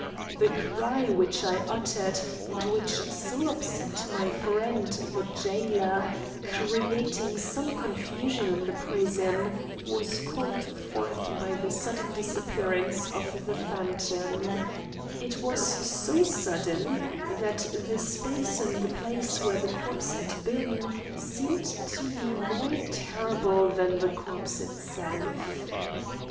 The cry which I uttered and which so upset my friend, the jailer, creating some confusion in the prison, was called forth by the sudden disappearance of the phantom it was so sudden that the space in the place where the corpse had been seemed to me more terrible than the corpse itself.